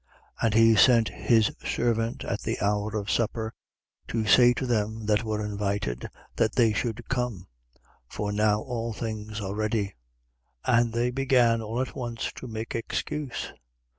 14:17. And he sent his servant at the hour of supper to say to them that were invited, that they should come: for now all things are ready. 14:18. And they began all at once to make excuse.